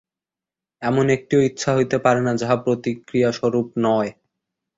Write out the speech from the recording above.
এমন একটিও ইচ্ছা হইতে পারে না, যাহা প্রতিক্রিয়াস্বরূপ নয়।